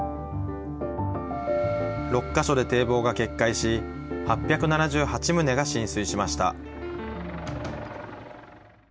６か所で堤防が決壊し、８７８棟が浸水しました。